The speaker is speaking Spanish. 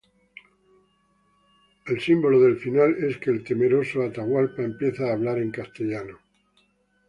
El símbolo del final es que el temeroso Atahualpa empieza a hablar en castellano.